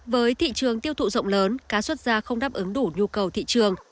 với thị trường tiêu thụ rộng lớn cá xuất ra không đáp ứng đủ nhu cầu thị trường